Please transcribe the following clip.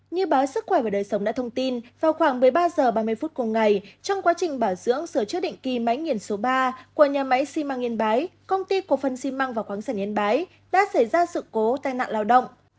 như báo sức khỏe và đời sống đã thông tin vào khoảng một mươi ba h ba mươi phút cùng ngày trong quá trình bảo dưỡng sửa chữa định kỳ máy nghiền số ba của nhà máy xi măng yên bái công ty cổ phần xi măng và khoáng sản yên bái đã xảy ra sự cố tai nạn lao động